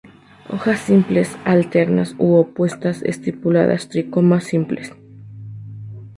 Hojas simples, alternas u opuestas, estipuladas, tricomas simples.